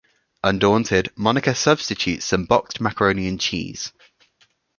Undaunted, Monica substitutes some boxed macaroni and cheese.